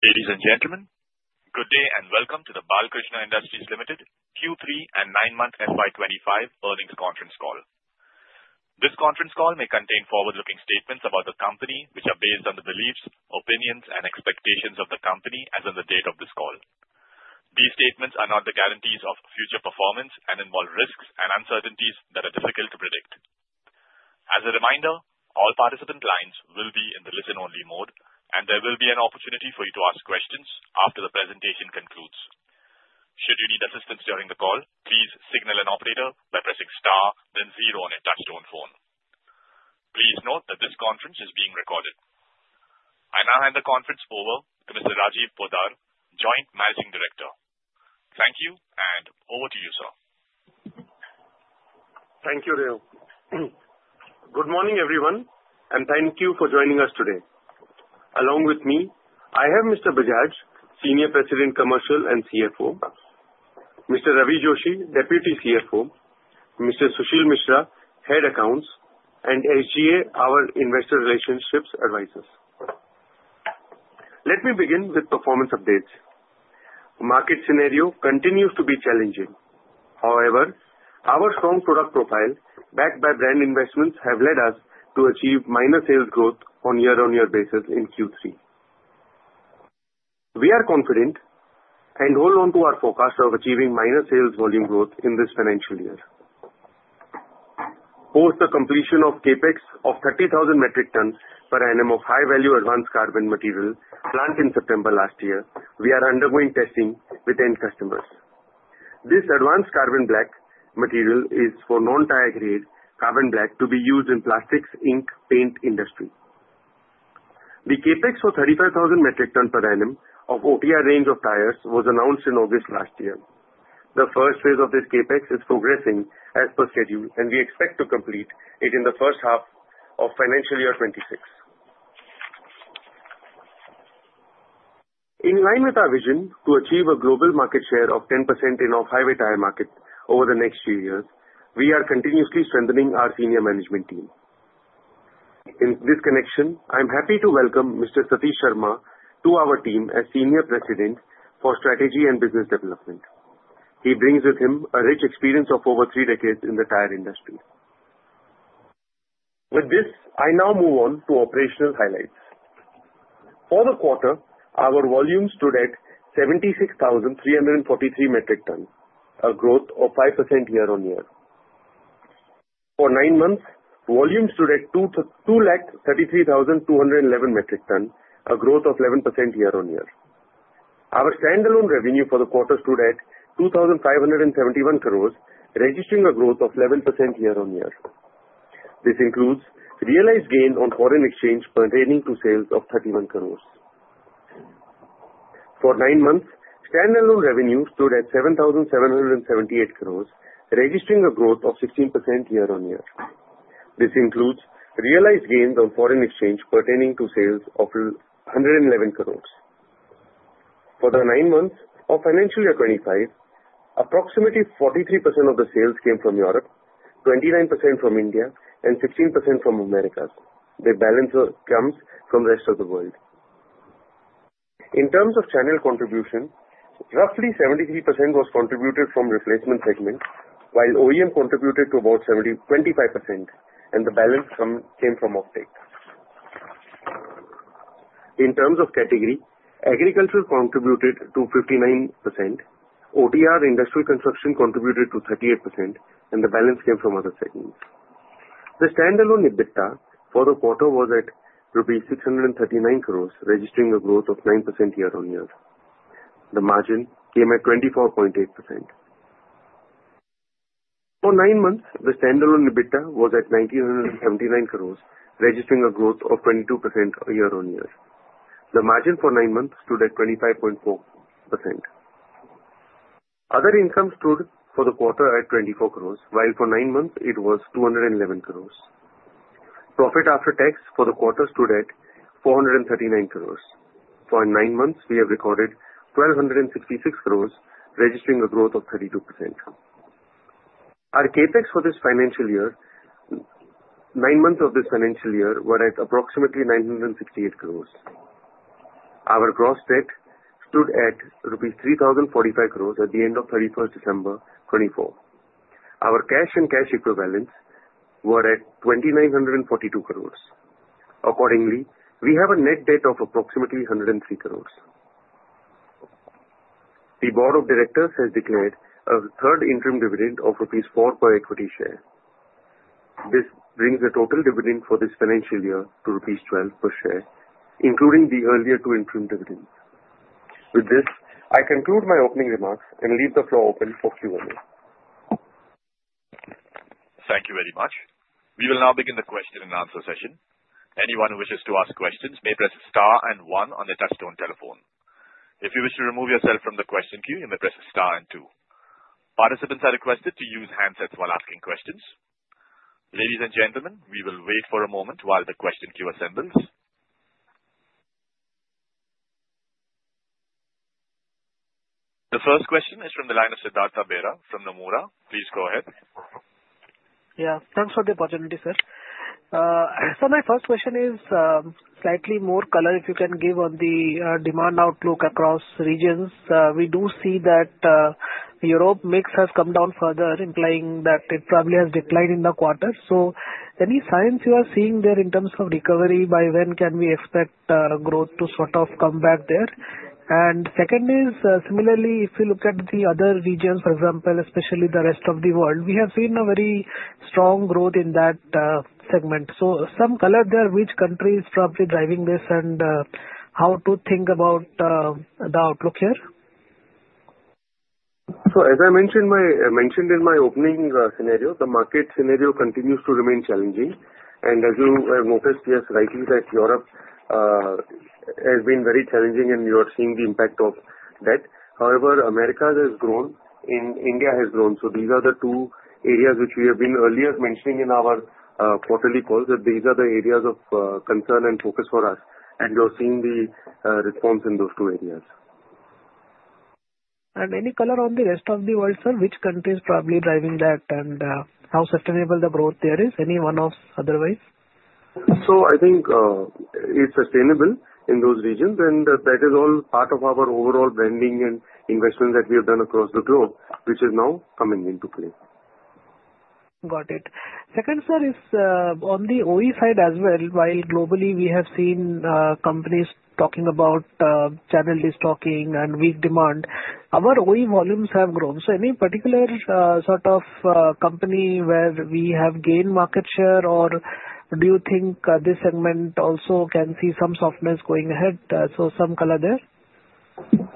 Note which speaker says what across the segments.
Speaker 1: Ladies and gentlemen, good day and welcome to the Balkrishna Industries Limited Q3 And 9-Month FY25 Earnings Conference Call. This conference call may contain forward-looking statements about the company, which are based on the beliefs, opinions, and expectations of the company as of the date of this call. These statements are not the guarantees of future performance and involve risks and uncertainties that are difficult to predict. As a reminder, all participant lines will be in the listen-only mode, and there will be an opportunity for you to ask questions after the presentation concludes. Should you need assistance during the call, please signal an operator by pressing star, then zero on your touch-tone phone. Please note that this conference is being recorded. I now hand the conference over to Mr. Rajiv Poddar, Joint Managing Director. Thank you, and over to you, sir.
Speaker 2: Thank you, Raheel. Good morning, everyone, and thank you for joining us today. Along with me, I have Mr. Bajaj, Senior President, Commercial and CFO; Mr. Ravi Joshi, Deputy CFO; Mr. Sushil Mishra, Head of Accounts and SGA, our Investor Relations Advisors. Let me begin with performance updates. Market scenario continues to be challenging. However, our strong product profile, backed by brand investments, has led us to achieve minor sales growth on a year-on-year basis in Q3. We are confident and hold on to our forecast of achieving minor sales volume growth in this financial year. Post the completion of CapEx of 30,000 metric tons per annum of high-value advanced carbon material plant in September last year, we are undergoing testing with end customers. This advanced carbon black material is for non-tire-grade carbon black to be used in plastics, ink, paint industry. The CapEx for 35,000 metric tons per annum of OTR range of tires was announced in August last year. The first phase of this CapEx is progressing as per schedule, and we expect to complete it in the first half of financial year 2026. In line with our vision to achieve a global market share of 10% in our highway tire market over the next few years, we are continuously strengthening our senior management team. In this connection, I'm happy to welcome Mr. Satish Sharma to our team as Senior President for Strategy and Business Development. He brings with him a rich experience of over three decades in the tire industry. With this, I now move on to operational highlights. For the quarter, our volume stood at 76,343 metric tons, a growth of 5% year-on-year. For nine months, volume stood at 233,211 metric tons, a growth of 11% year-on-year. Our standalone revenue for the quarter stood at 2,571 crore, registering a growth of 11% year-on-year. This includes realized gain on foreign exchange pertaining to sales of 31 crore. For nine months, standalone revenue stood at 7,778 crore, registering a growth of 16% year-on-year. This includes realized gains on foreign exchange pertaining to sales of INR 111 crore. For the nine months of financial year 2025, approximately 43% of the sales came from Europe, 29% from India, and 16% from America. The balance comes from the rest of the world. In terms of channel contribution, roughly 73% was contributed from replacement segments, while OEM contributed to about 25%, and the balance came from off-take. In terms of category, agriculture contributed to 59%, OTR industrial construction contributed to 38%, and the balance came from other segments. The standalone EBITDA for the quarter was at 639 crore rupees, registering a growth of 9% year-on-year. The margin came at 24.8%. For nine months, the standalone EBITDA was at 1,979 crore registering a growth of 22% year-on-year. The margin for nine months stood at 25.4%. Other income stood for the quarter at 24 crore, while for nine months it was 211 crore. Profit after tax for the quarter stood at 439 crore. For nine months, we have recorded 1,266 crore registering a growth of 32%. Our CapEx for this financial year, nine months of this financial year, were at approximately 968 crore. Our gross debt stood at rupees 3,045 crore at the end of 31st December 2024. Our cash and cash equivalents were at 2,942 crore. Accordingly, we have a net debt of approximately 103 crore. The Board of Directors has declared a third interim dividend of rupees 4 per equity share. This brings the total dividend for this financial year to rupees 12 per share, including the earlier two interim dividends. With this, I conclude my opening remarks and leave the floor open for Q&A.
Speaker 1: Thank you very much. We will now begin the question and answer session. Anyone who wishes to ask questions may press star and one on the touch-tone telephone. If you wish to remove yourself from the question queue, you may press star and two. Participants are requested to use handsets while asking questions. Ladies and gentlemen, we will wait for a moment while the question queue assembles. The first question is from the line of Siddhartha Bera from Nomura. Please go ahead.
Speaker 3: Yeah, thanks for the opportunity, Sir. So, my first question is slightly more color if you can give on the demand outlook across regions. We do see that Europe mix has come down further, implying that it probably has declined in the quarter. So any signs you are seeing there in terms of recovery? By when can we expect growth to sort of come back there? And second is, similarly, if you look at the other regions, for example, especially the rest of the world, we have seen a very strong growth in that segment. So some color there, which countries probably driving this and how to think about the outlook here?
Speaker 2: So, as I mentioned in my opening scenario, the market scenario continues to remain challenging. And as you have noticed, yes, rightly that Europe has been very challenging, and you are seeing the impact of that. However, America has grown, and India has grown. So these are the two areas which we have been earlier mentioning in our quarterly calls, that these are the areas of concern and focus for us. And you are seeing the response in those two areas.
Speaker 3: Any color on the rest of the world, sir? Which countries probably driving that and how sustainable the growth there is? Any one of otherwise?
Speaker 2: So I think it's sustainable in those regions, and that is all part of our overall branding and investment that we have done across the globe, which is now coming into play.
Speaker 3: Got it. Second, Sir, is on the OE side as well, while globally we have seen companies talking about channel destocking and weak demand, our OE volumes have grown. So any particular sort of company where we have gained market share, or do you think this segment also can see some softness going ahead? So some color there?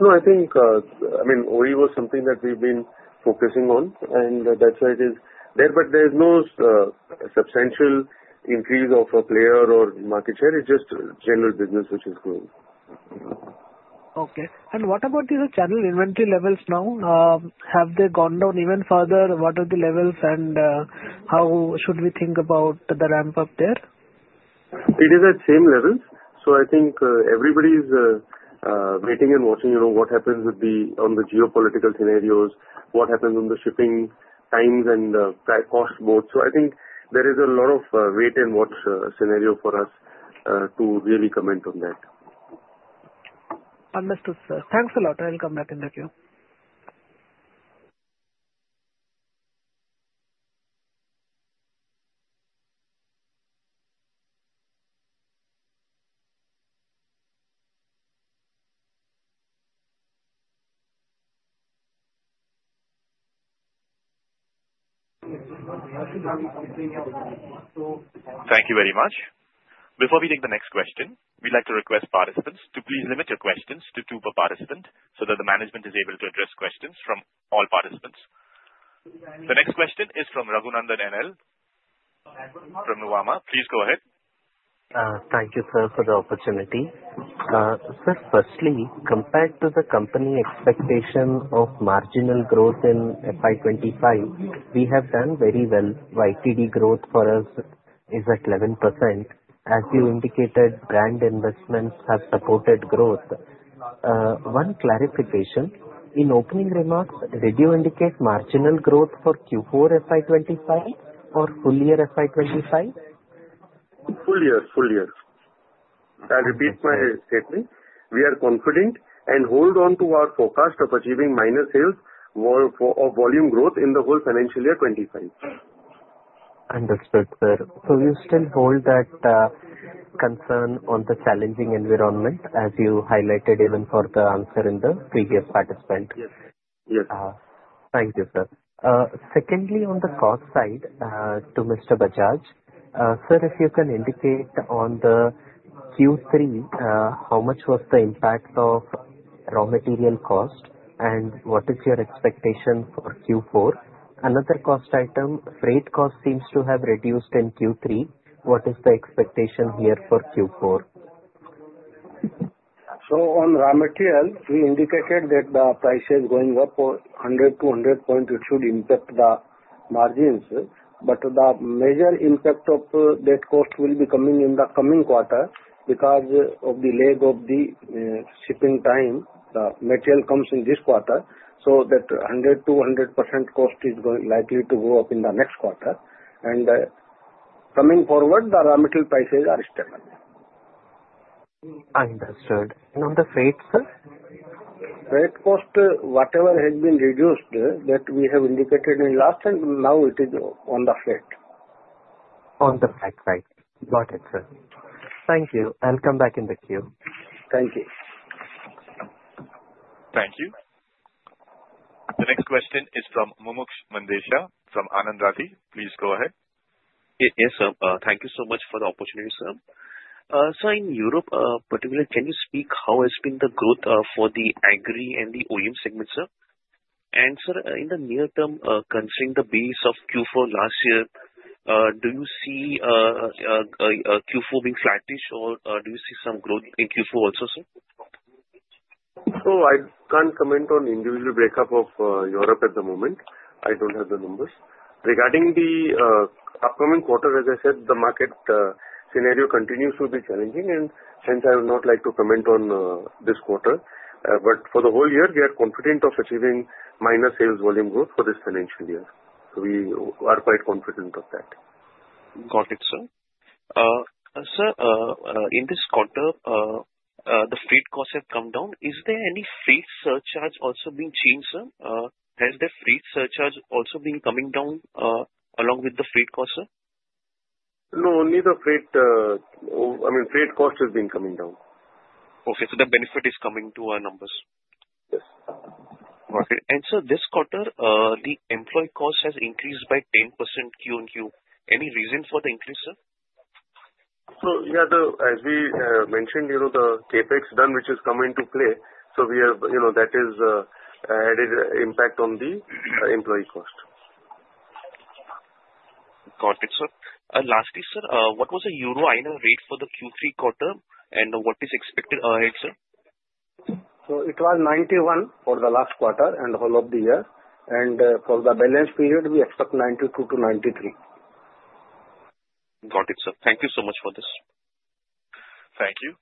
Speaker 2: No, I think, I mean, OE was something that we've been focusing on, and that's why it is there. But there is no substantial increase of a player or market share. It's just general business, which is growing.
Speaker 3: Okay. And what about these channel inventory levels now? Have they gone down even further? What are the levels, and how should we think about the ramp-up there?
Speaker 2: It is at same levels. So, I think everybody is waiting and watching what happens on the geopolitical scenarios, what happens on the shipping times and costs both. So I think there is a lot of wait-and-watch scenario for us to really comment on that.
Speaker 3: Understood, sir. Thanks a lot. I'll come back in the queue.
Speaker 1: Thank you very much. Before we take the next question, we'd like to request participants to please limit your questions to two per participant so that the management is able to address questions from all participants. The next question is from Raghunandhan NL from Nuvama. Please go ahead.
Speaker 4: Thank you, sir, for the opportunity. Sir, firstly, compared to the company expectation of marginal growth in FY25, we have done very well. YTD growth for us is at 11%. As you indicated, brand investments have supported growth. One clarification. In opening remarks, did you indicate marginal growth for Q4 FY25 or full year FY25?
Speaker 2: Full year, full year. I'll repeat my statement. We are confident and hold on to our forecast of achieving minor sales volume growth in the whole financial year 2025.
Speaker 4: Understood, sir. So you still hold that concern on the challenging environment, as you highlighted even for the answer in the previous participant.
Speaker 2: Yes.
Speaker 4: Thank you, Sir. Secondly, on the cost side, to Mr. Bajaj, sir, if you can indicate on the Q3, how much was the impact of raw material cost, and what is your expectation for Q4? Another cost item, freight cost seems to have reduced in Q3. What is the expectation here for Q4?
Speaker 5: On raw material, we indicated that the price is going up for 100 to 100 points. It should impact the margins. The major impact of that cost will be coming in the coming quarter because of the lag of the shipping time. The material comes in this quarter, so that 100 to 100% cost is likely to go up in the next quarter. Coming forward, the raw material prices are stable.
Speaker 4: Understood. And on the freight, sir?
Speaker 5: Freight cost, whatever has been reduced that we have indicated in last, and now it is on the freight.
Speaker 4: On the freight, right. Got it, sir. Thank you. I'll come back in the queue.
Speaker 2: Thank you.
Speaker 1: Thank you. The next question is from Mumuksh Mandlesha from Anand Rathi. Please go ahead.
Speaker 6: Yes, sir. Thank you so much for the opportunity, sir. So in Europe, particularly, can you speak how has been the growth for the Agri and the OEM segment, sir? And sir, in the near term, considering the base of Q4 last year, do you see Q4 being flattish, or do you see some growth in Q4 also, sir?
Speaker 2: So I can't comment on individual breakup of Europe at the moment. I don't have the numbers. Regarding the upcoming quarter, as I said, the market scenario continues to be challenging, and hence I would not like to comment on this quarter. But for the whole year, we are confident of achieving minor sales volume growth for this financial year. So we are quite confident of that.
Speaker 6: Got it, sir. Sir, in this quarter, the freight costs have come down. Is there any freight surcharge also being changed, sir? Has the freight surcharge also been coming down along with the freight cost, sir?
Speaker 2: No, only the freight, I mean, freight cost has been coming down.
Speaker 6: Okay. So the benefit is coming to our numbers.
Speaker 2: Yes.
Speaker 6: Got it. And sir, this quarter, the employee cost has increased by 10% Q on Q. Any reason for the increase, sir?
Speaker 2: So yeah, as we mentioned, the CapEx done, which has come into play, so that has had an impact on the employee cost.
Speaker 6: Got it, sir. Lastly, sir, what was the Euro INR rate for the Q3 quarter, and what is expected ahead, sir?
Speaker 2: It was 91 for the last quarter and all of the year. For the balance period, we expect 92-93.
Speaker 6: Got it, sir. Thank you so much for this.
Speaker 1: Thank you.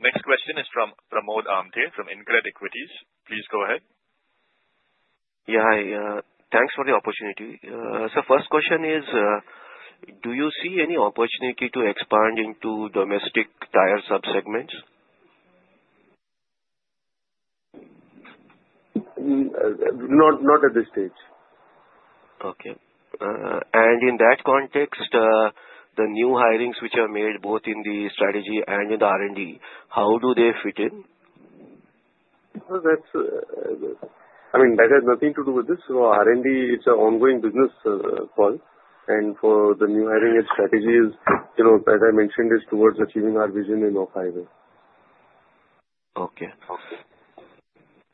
Speaker 1: Next question is from Pramod Amthe from InCred Equities. Please go ahead.
Speaker 7: Yeah, thanks for the opportunity. So first question is, do you see any opportunity to expand into domestic tire subsegments?
Speaker 2: Not at this stage.
Speaker 7: Okay. And in that context, the new hirings which are made both in the strategy and in the R&D, how do they fit in?
Speaker 2: I mean, that has nothing to do with this. So, R&D, it's an ongoing business call. And for the new hiring, the strategy is, as I mentioned, it's towards achieving our vision in off-highway.
Speaker 7: Okay.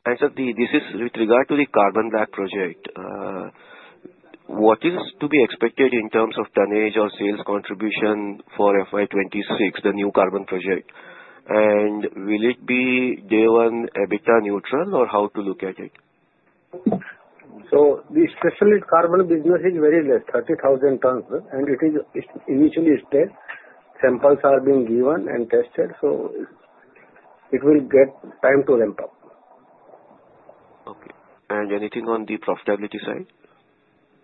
Speaker 7: And, sir, this is with regard to the carbon black project. What is to be expected in terms of tonnage or sales contribution for FY26, the new carbon black project? And will it be day one EBITDA neutral, or how to look at it?
Speaker 5: The special carbon business is very less, 30,000 tons, and it is initially stable. Samples are being given and tested, so it will get time to ramp up.
Speaker 7: Okay, and anything on the profitability side?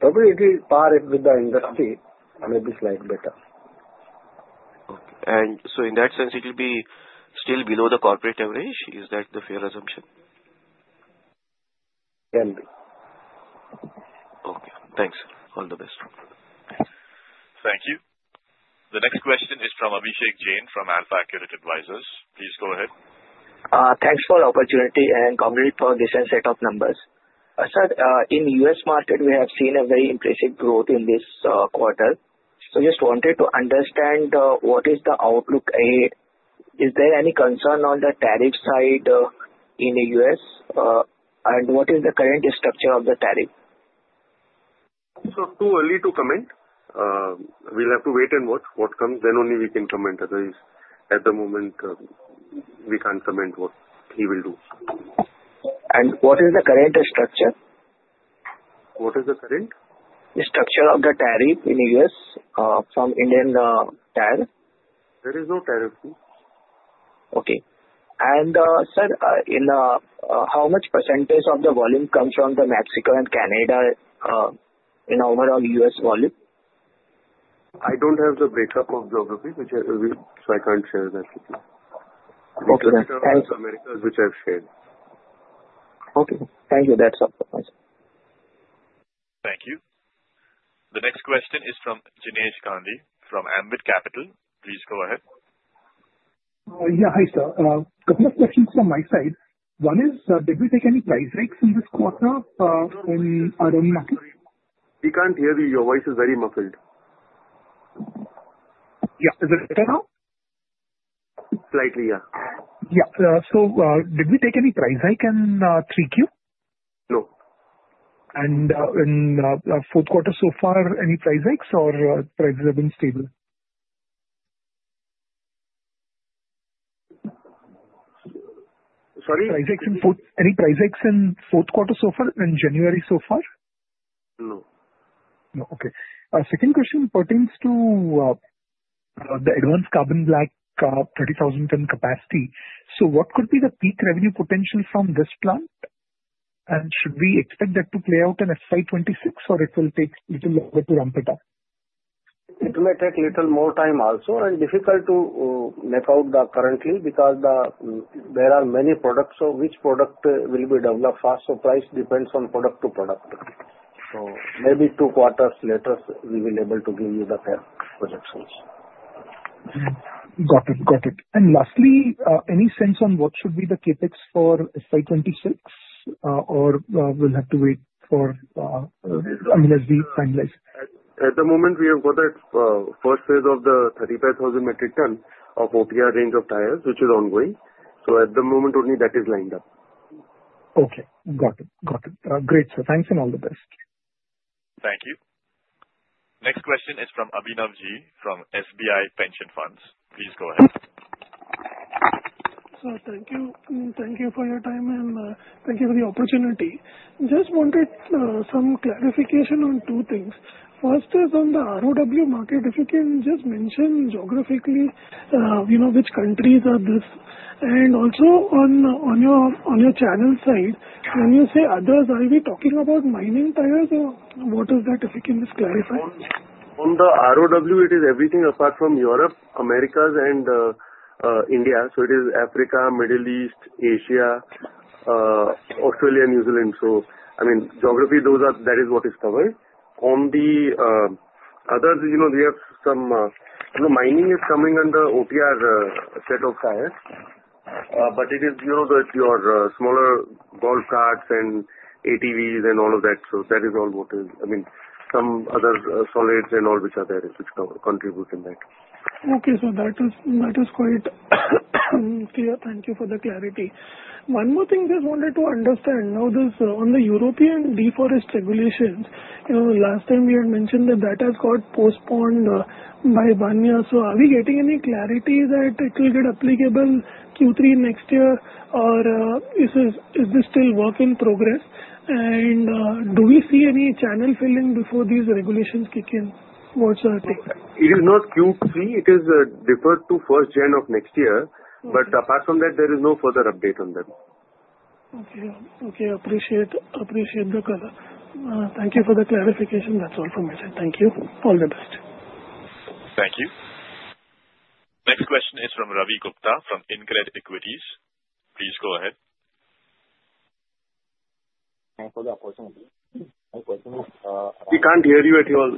Speaker 2: Probably it will par with the industry, maybe slightly better.
Speaker 7: Okay. And so in that sense, it will be still below the corporate average. Is that the fair assumption?
Speaker 2: Can be.
Speaker 7: Okay. Thanks. All the best.
Speaker 1: Thank you. The next question is from Abhishek Jain from AlfAccurate Advisors. Please go ahead. Thanks for the opportunity and congratulations for this set of numbers. Sir, in the U.S. market, we have seen a very impressive growth in this quarter. So I just wanted to understand what is the outlook ahead. Is there any concern on the tariff side in the U.S., and what is the current structure of the tariff?
Speaker 2: So too early to comment. We'll have to wait and watch what comes. Then only we can comment. Otherwise, at the moment, we can't comment what he will do. And what is the current structure? What is the current? The structure of the tariff in the U.S. from Indian tire? There is no tariff. Okay, and sir, how much percentage of the volume comes from Mexico and Canada in overall U.S. volume? I don't have the breakdown of geography, so I can't share that with you. The percentage of Americas which I've shared. Okay. Thank you. That's all from my side.
Speaker 1: Thank you. The next question is from Jinesh Gandhi from Ambit Capital. Please go ahead. Yeah, hi sir. A couple of questions from my side. One is, did we take any price hikes in this quarter in our own market?
Speaker 2: We can't hear you. Your voice is very muffled. Yeah. Is it better now? Slightly, yeah. Yeah. So did we take any price hike in 3Q? No. In the fourth quarter so far, any price hikes, or prices have been stable? Sorry? Any price hikes in fourth quarter so far in January so far? No. No. Okay. Second question pertains to the advanced carbon black 30,000-ton capacity. So what could be the peak revenue potential from this plant? And should we expect that to play out in FY26, or it will take a little longer to ramp it up?
Speaker 5: It will take a little more time also, and difficult to map out currently because there are many products, so which product will be developed fast. So price depends on product to product. So maybe two quarters later, we will be able to give you the fair projections. Got it. Got it. And lastly, any sense on what should be the CapEx for FY26, or we'll have to wait for, I mean, as we finalize?
Speaker 2: At the moment, we have got that first phase of the 35,000 metric ton of OTR range of tires, which is ongoing. So at the moment, only that is lined up. Okay. Got it. Got it. Great. So thanks and all the best.
Speaker 1: Thank you. Next question is from Abhinavji from SBI Pension Funds. Please go ahead. Sir, thank you. Thank you for your time, and thank you for the opportunity. Just wanted some clarification on two things. First is on the ROW market, if you can just mention geographically which countries are this. And also on your channel side, when you say others, are we talking about mining tires, or what is that? If you can just clarify?
Speaker 2: On the ROW, it is everything apart from Europe, Americas, and India. So it is Africa, Middle East, Asia, Australia, New Zealand. So, I mean, geography, that is what is covered. On the others, we have some mining tires coming under OTR set of tires. But it is your smaller golf carts and ATVs and all of that. So that is all what is, I mean, some other solids and all which are there, which contribute in that. Okay. So that is quite clear. Thank you for the clarity. One more thing just wanted to understand. Now, on the European deforestation regulations, last time we had mentioned that that has got postponed by a year. So are we getting any clarity that it will get applicable Q3 next year, or is this still work in progress? And do we see any channel filling before these regulations kick in? What's the take? It is not Q3. It is deferred to first gen of next year. But apart from that, there is no further update on that. Okay. Okay. Appreciate the color. Thank you for the clarification. That's all from my side. Thank you. All the best.
Speaker 1: Thank you. Next question is from Ravi Gupta from InCred Equities. Please go ahead.
Speaker 8: Thanks for the opportunity. I can't hear you at all.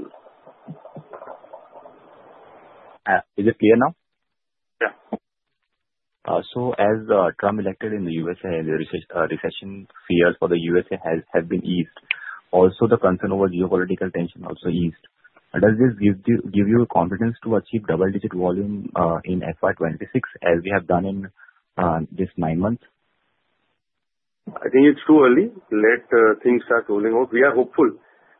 Speaker 8: Is it clear now?
Speaker 2: Yeah. As Trump elected in the U.S.A., the recession fears for the U.S.A. have been eased. Also, the concern over geopolitical tension also eased. Does this give you confidence to achieve double-digit volume in FY26 as we have done in this nine months? I think it's too early. Let things start rolling out. We are hopeful,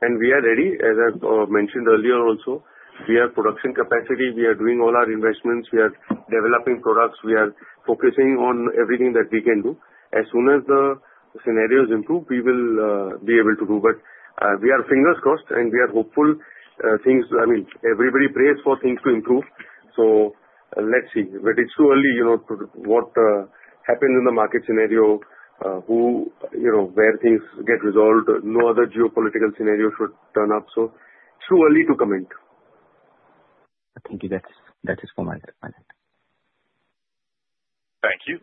Speaker 2: and we are ready. As I mentioned earlier also, we have production capacity. We are doing all our investments. We are developing products. We are focusing on everything that we can do. As soon as the scenarios improve, we will be able to do. But we are fingers crossed, and we are hopeful. I mean, everybody prays for things to improve. So let's see. But it's too early to what happens in the market scenario, where things get resolved. No other geopolitical scenario should turn up. So it's too early to comment. Thank you. That is from my side.
Speaker 1: Thank you.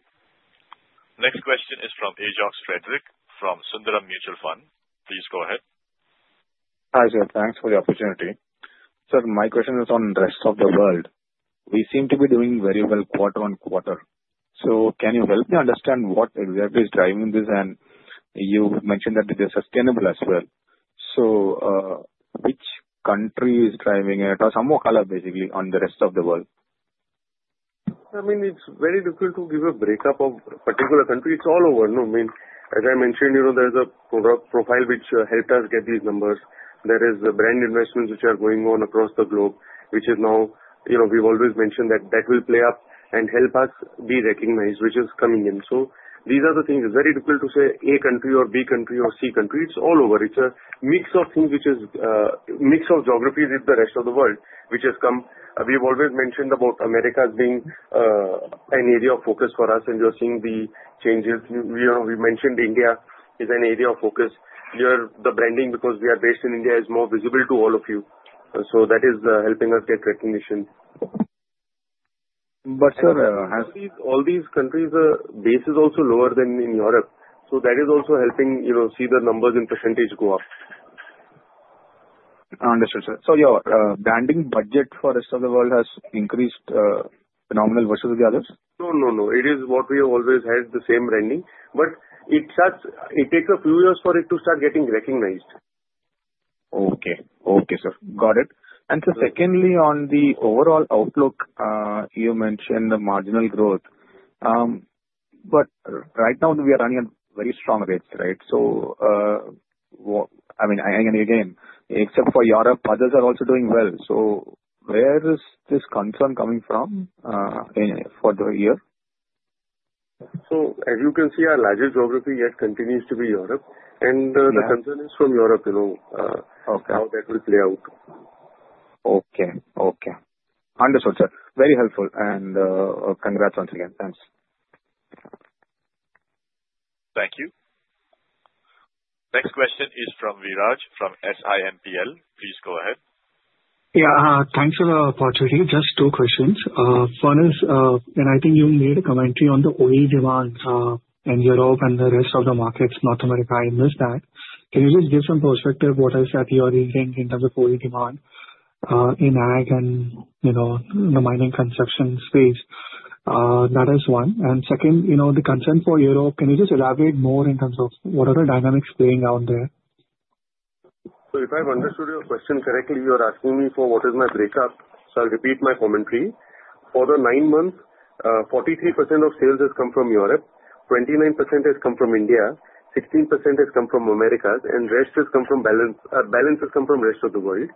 Speaker 1: Next question is from Ajox Frederick from Sundaram Mutual Fund. Please go ahead.
Speaker 9: Hi sir. Thanks for the opportunity. Sir, my question is on the rest of the world. We seem to be doing very well quarter on quarter. So can you help me understand what exactly is driving this? And you mentioned that it is sustainable as well. So which country is driving it, or some color, basically, on the rest of the world?
Speaker 2: I mean, it's very difficult to give a breakup of a particular country. It's all over. I mean, as I mentioned, there's a product profile which helped us get these numbers. There is brand investments which are going on across the globe, which is now we've always mentioned that that will play up and help us be recognized, which is coming in. So these are the things. It's very difficult to say A country or B country or C country. It's all over. It's a mix of things which is a mix of geographies in the rest of the world which has come. We've always mentioned about America as being an area of focus for us, and you're seeing the changes. We mentioned India is an area of focus. The branding, because we are based in India, is more visible to all of you. So that is helping us get recognition.
Speaker 7: But sir.
Speaker 2: All these countries, the base is also lower than in Europe. So that is also helping see the numbers in percentage go up.
Speaker 7: Understood, sir. So your branding budget for the rest of the world has increased phenomenally versus the others?
Speaker 2: No, no, no. It is what we have always had, the same branding. But it takes a few years for it to start getting recognized.
Speaker 7: Okay. Okay, sir. Got it. And so secondly, on the overall outlook, you mentioned the marginal growth. But right now, we are running at very strong rates, right? So I mean, again, except for Europe, others are also doing well. So where is this concern coming from for the year?
Speaker 2: So as you can see, our largest geography yet continues to be Europe. And the concern is from Europe, how that will play out.
Speaker 7: Okay. Okay. Understood, sir. Very helpful. And congrats once again. Thanks.
Speaker 1: Thank you. Next question is from Viraj from SiMPL. Please go ahead.
Speaker 10: Yeah. Thanks for the opportunity. Just two questions. First, and I think you made a commentary on the OE demand in Europe and the rest of the markets, North America. I missed that. Can you just give some perspective on what I said you are using in terms of OE demand in ag and the mining construction space? That is one. And second, the concern for Europe, can you just elaborate more in terms of what are the dynamics playing out there?
Speaker 2: So if I've understood your question correctly, you are asking me for what is my breakup. So I'll repeat my commentary. For the nine months, 43% of sales has come from Europe, 29% has come from India, 16% has come from America, and rest has come from rest of the world.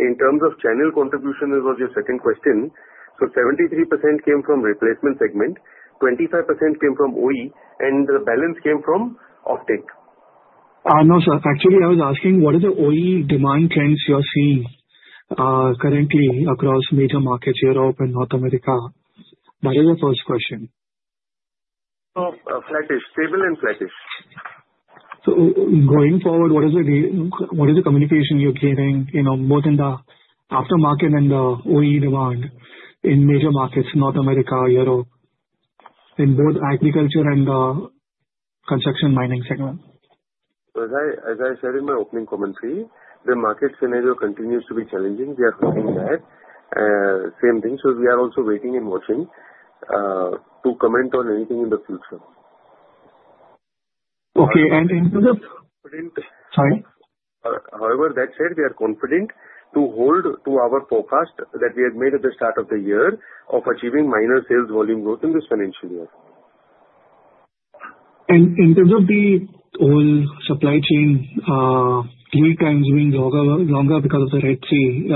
Speaker 2: In terms of channel contribution, it was your second question. So 73% came from replacement segment, 25% came from OE, and the balance came from off-take.
Speaker 10: No, sir. Actually, I was asking what are the OE demand trends you are seeing currently across major markets, Europe and North America? That is the first question.
Speaker 2: Flattish. Stable and flattish.
Speaker 10: So, going forward, what is the communication you're getting both in the aftermarket and the OE demand in major markets, North America, Europe, in both agriculture and construction mining segment?
Speaker 2: As I said in my opening commentary, the market scenario continues to be challenging. We are seeing that. Same thing. So we are also waiting and watching to comment on anything in the future.
Speaker 10: Okay, and in terms of.
Speaker 2: Confident.
Speaker 10: Sorry?
Speaker 2: However, that said, we are confident to hold to our forecast that we had made at the start of the year of achieving minor sales volume growth in this financial year.
Speaker 10: And in terms of the whole supply chain, lead times being longer because of the Red Sea,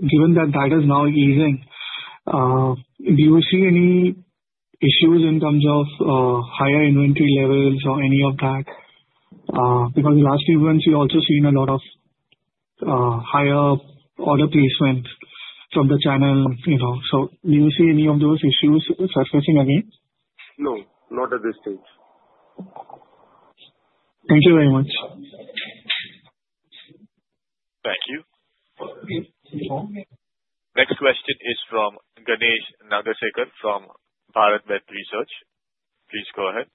Speaker 10: given that that is now easing, do you see any issues in terms of higher inventory levels or any of that? Because last few months, we've also seen a lot of higher order placement from the channel. So do you see any of those issues surfacing again?
Speaker 2: No. Not at this stage.
Speaker 10: Thank you very much.
Speaker 1: Thank you. Next question is from Ganesh Nagarsekar from Bharatbhet Research. Please go ahead.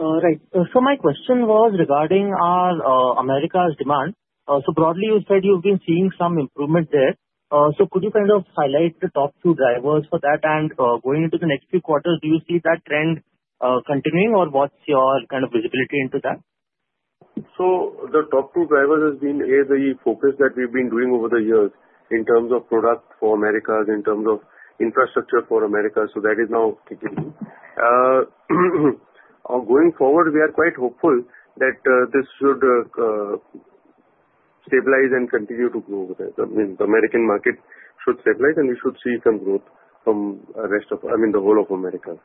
Speaker 1: Right. So my question was regarding America's demand. So broadly, you said you've been seeing some improvement there. So could you kind of highlight the top two drivers for that? And going into the next few quarters, do you see that trend continuing, or what's your kind of visibility into that?
Speaker 2: So the top two drivers has been A, the focus that we've been doing over the years in terms of product for America, in terms of infrastructure for America. So that is now ticking. Going forward, we are quite hopeful that this should stabilize and continue to grow. I mean, the American market should stabilize, and we should see some growth from the rest of, I mean, the whole of America.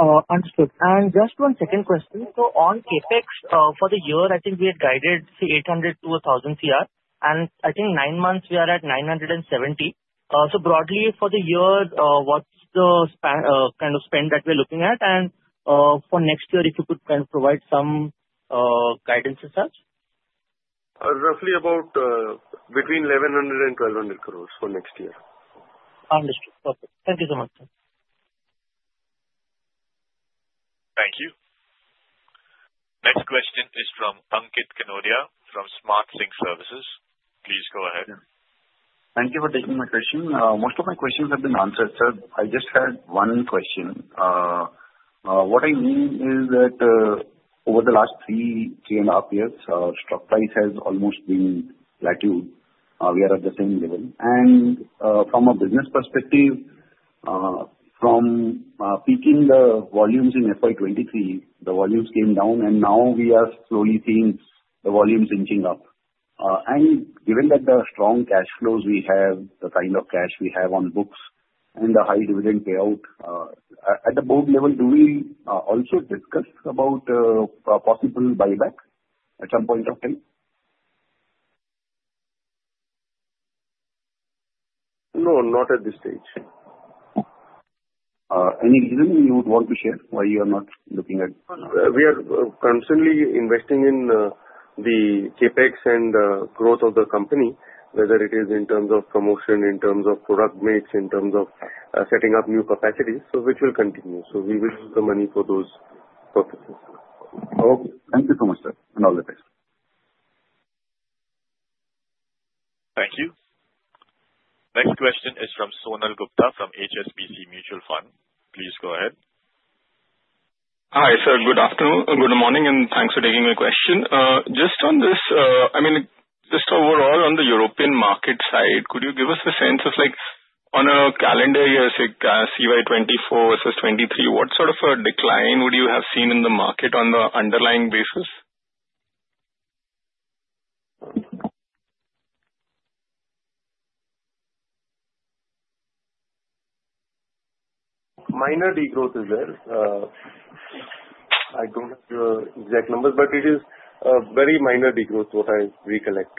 Speaker 2: Understood. And just one second question. So on CapEx for the year, I think we had guided 800-1,000 crore. And I think nine months, we are at 970 crore. So broadly, for the year, what's the kind of spend that we're looking at? And for next year, if you could kind of provide some guidance and such? Roughly about between 1,100 and 1,200 crore for next year. Understood. Perfect. Thank you so much, sir.
Speaker 1: Thank you. Next question is from Ankit Kanoria from Smart Sync Services. Please go ahead. Thank you for taking my question. Most of my questions have been answered, sir. I just had one question. What I mean is that over the last three, three and a half years, stock price has almost been plateaued. We are at the same level. And from a business perspective, from peaking the volumes in FY23, the volumes came down, and now we are slowly seeing the volumes inching up. And given that the strong cash flows we have, the kind of cash we have on books, and the high dividend payout, at the board level, do we also discuss about a possible buyback at some point of time?
Speaker 2: No, not at this stage. Any reason you would want to share why you are not looking at? We are constantly investing in the CapEx and the growth of the company, whether it is in terms of promotion, in terms of product mix, in terms of setting up new capacities. So which will continue. So we will use the money for those purposes. Okay. Thank you so much, sir. And all the best.
Speaker 1: Thank you. Next question is from Sonal Gupta from HSBC Mutual Fund. Please go ahead. Hi sir. Good afternoon. Good morning. And thanks for taking my question. Just on this, I mean, just overall on the European market side, could you give us a sense of on a calendar year, say CY24 versus 2023, what sort of a decline would you have seen in the market on the underlying basis?
Speaker 2: Minor degrowth is there. I don't have the exact numbers, but it is a very minor degrowth, what I recollect.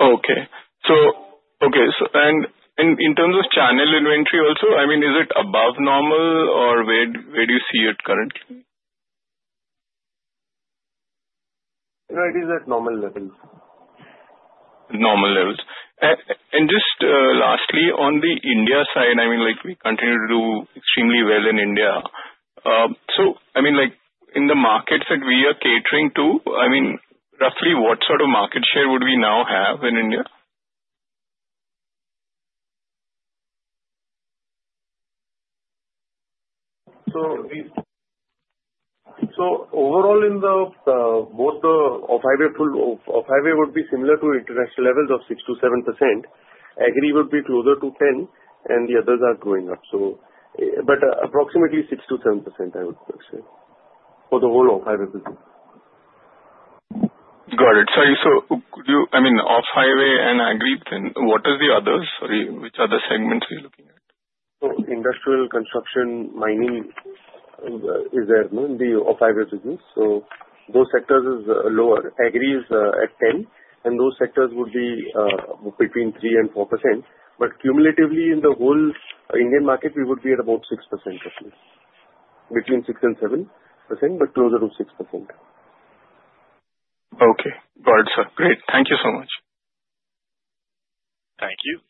Speaker 2: Okay. Okay. And in terms of channel inventory also, I mean, is it above normal, or where do you see it currently? No, it is at normal levels. Normal levels. And just lastly, on the India side, I mean, we continue to do extremely well in India. So I mean, in the markets that we are catering to, I mean, roughly what sort of market share would we now have in India? So overall, in both the Off-Highway would be similar to international levels of 6%-7%. Agri would be closer to 10%, and the others are going up. But approximately 6%-7%, I would say, for the whole Off-Highway business. Got it. Sorry. So I mean, off-highway and agri, what are the others? Sorry. Which other segments are you looking at? So industrial construction, mining is there in the off-highway business. So those sectors are lower. Agri is at 10%, and those sectors would be between 3% and 4%. But cumulatively, in the whole Indian market, we would be at about 6%, roughly. Between 6% and 7%, but closer to 6%. Okay. Got it, sir. Great. Thank you so much.
Speaker 1: Thank you.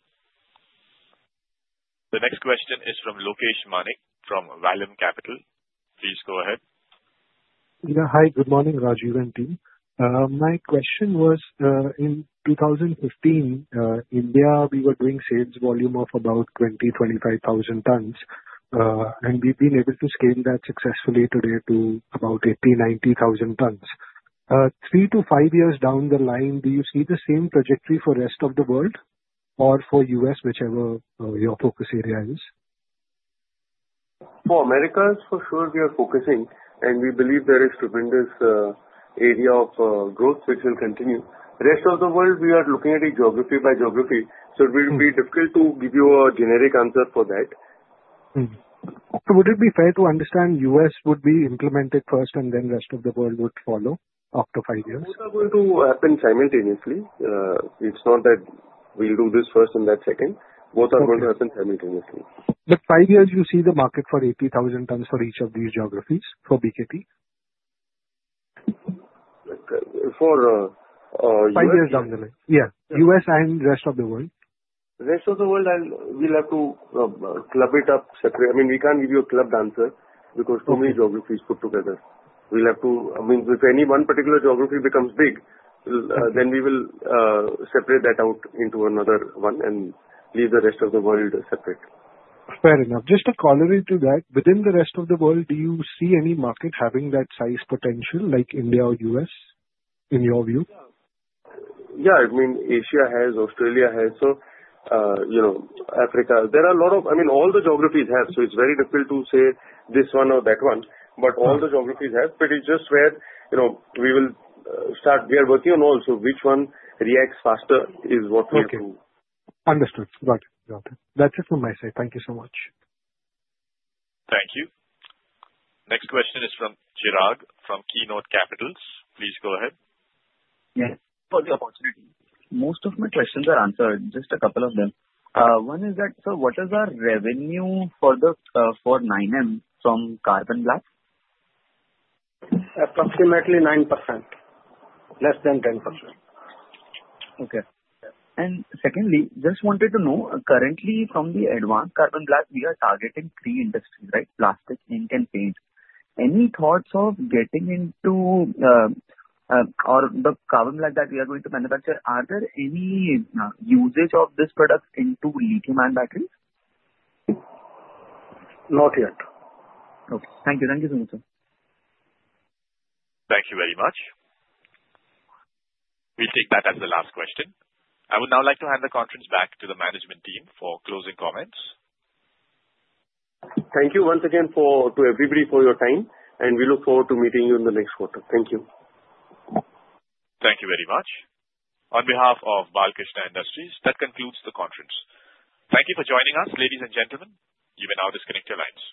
Speaker 1: The next question is from Lokesh Manik from Vallum Capital. Please go ahead.
Speaker 11: Yeah. Hi. Good morning, Rajiv and team. My question was, in 2015, India, we were doing sales volume of about 20-25 thousand tons. And we've been able to scale that successfully today to about 80-90 thousand tons. Three to five years down the line, do you see the same trajectory for the rest of the world or for the U.S., whichever your focus area is?
Speaker 2: For America, for sure, we are focusing, and we believe there is a tremendous area of growth which will continue. The rest of the world, we are looking at it geography by geography, so it will be difficult to give you a generic answer for that.
Speaker 11: Would it be fair to understand the U.S. would be implemented first and then the rest of the world would follow after five years?
Speaker 2: Both are going to happen simultaneously. It's not that we'll do this first and that second. Both are going to happen simultaneously.
Speaker 11: Five years, you see the market for 80,000 tons for each of these geographies for BKT?
Speaker 2: For U.S. and.
Speaker 11: Five years down the line. Yeah. U.S. and the rest of the world?
Speaker 2: The rest of the world, we'll have to club it up separately. I mean, we can't give you a clubbed answer because too many geographies put together. We'll have to, I mean, if any one particular geography becomes big, then we will separate that out into another one and leave the rest of the world separate.
Speaker 11: Fair enough. Just a color into that, within the rest of the world, do you see any market having that size potential like India or US in your view?
Speaker 2: Yeah. I mean, Asia has, Australia has, so Africa. There are a lot of, I mean, all the geographies have, so it's very difficult to say this one or that one, but all the geographies have. But it's just where we will start. We are working on also which one reacts faster is what we can.
Speaker 11: Understood. Got it. Got it. That's it from my side. Thank you so much.
Speaker 1: Thank you. Next question is from Chirag from Keynote Capitals. Please go ahead. Yes. For the opportunity. Most of my questions are answered. Just a couple of them. One is that, sir, what is the revenue for 9M from carbon black?
Speaker 2: Approximately 9%. Less than 10%. Okay. And secondly, just wanted to know, currently, from the advanced carbon black, we are targeting three industries, right? Plastics, ink, and paints. Any thoughts of getting into the carbon black that we are going to manufacture? Are there any usage of this product into lithium-ion batteries? Not yet. Okay. Thank you. Thank you so much, sir.
Speaker 1: Thank you very much. We'll take that as the last question. I would now like to hand the conference back to the management team for closing comments.
Speaker 2: Thank you once again to everybody for your time. We look forward to meeting you in the next quarter. Thank you.
Speaker 1: Thank you very much. On behalf of Balkrishna Industries, that concludes the conference. Thank you for joining us, ladies and gentlemen. You may now disconnect your lines.